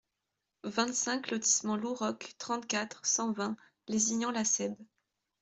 vingt-cinq lotissement Lou Roc, trente-quatre, cent vingt, Lézignan-la-Cèbe